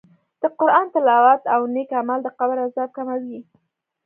د قرآن تلاوت او نېک عمل د قبر عذاب کموي.